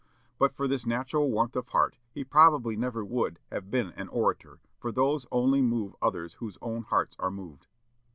But for this natural warmth of heart, he probably never would have been an orator, for those only move others whose own hearts are moved.